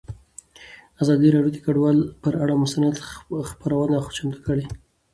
ازادي راډیو د کډوال پر اړه مستند خپرونه چمتو کړې.